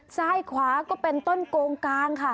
ซ้ายขวาก็เป็นต้นโกงกลางค่ะ